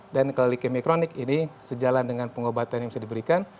dan kalau leukemia kronik ini sejalan dengan pengobatan yang bisa diberikan